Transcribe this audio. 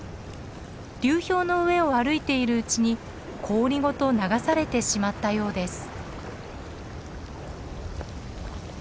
流氷の上を歩いているうちに氷ごと流されてしまったようです。